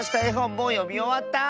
もうよみおわった？